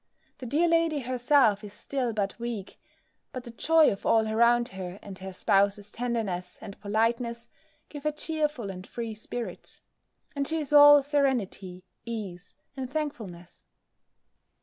The dear lady herself is still but weak; but the joy of all around her, and her spouse's tenderness and politeness, give her cheerful and free spirits; and she is all serenity, ease, and thankfulness.